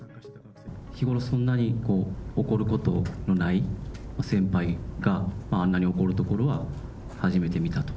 日頃、そんなに怒ることのない先輩が、あんなに怒るところは初めて見たと。